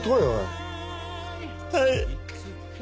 はい。